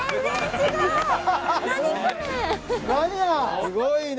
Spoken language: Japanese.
すごいね！